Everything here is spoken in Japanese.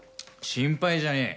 心配じゃねえ。